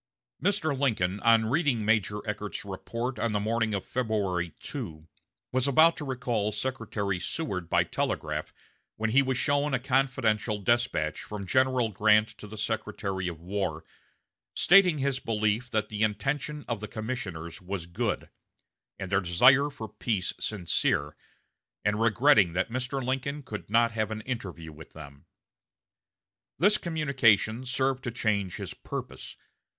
Mr. Lincoln, on reading Major Eckert's report on the morning of February 2, was about to recall Secretary Seward by telegraph, when he was shown a confidential despatch from General Grant to the Secretary of War, stating his belief that the intention of the commissioners was good, and their desire for peace sincere, and regretting that Mr. Lincoln could not have an interview with them. This communication served to change his purpose.